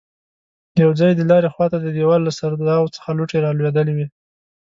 يو ځای د لارې خواته د دېوال له سرداو څخه لوټې رالوېدلې وې.